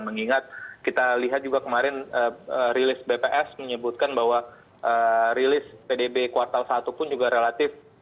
mengingat kita lihat juga kemarin rilis bps menyebutkan bahwa rilis pdb kuartal satu pun juga relatif